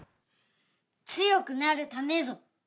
強くなるためぞ。